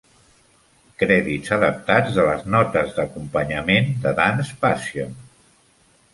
Crèdits adaptats de les notes d'acompanyament de "Dance Passion".